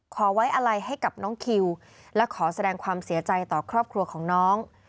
ขอไว้อะไรให้กับน้องคิวและขอแสดงความเสียใจต่อครอบครัวของน้อง